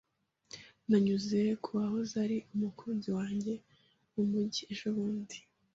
Nanyuze ku wahoze ari umukunzi wanjye mu mujyi ejobundi.